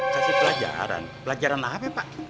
kasih pelajaran pelajaran apa pak